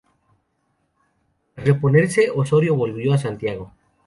Tras reponerse, Osorio volvió a Santiago.